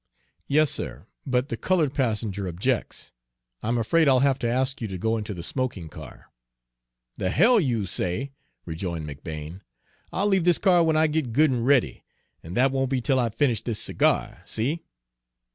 "Yes, sir, but the colored passenger objects. I'm afraid I'll have to ask you to go into the smoking car." "The hell you say!" rejoined McBane. "I'll leave this car when I get good and ready, and that won't be till I've finished this cigar. See?"